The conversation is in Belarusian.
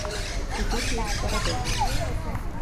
І тут ёсць парадокс.